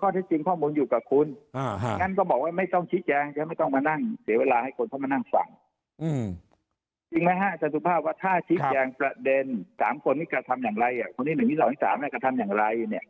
กระทำอย่างไรอ่ะตอนนี้เหมือนวิทยาลัยที่๓เนี่ยกระทำอย่างไรเนี่ย